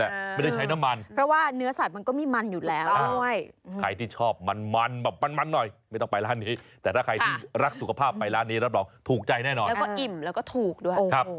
อะไรก็มีหมดนะคุณเดี๋ยว